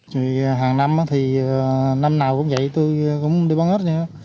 hàng năm thì năm nào cũng vậy tôi cũng đi bắn ếch